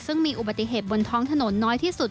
ซึ่งมีอุบัติเหตุบนท้องถนนน้อยที่สุด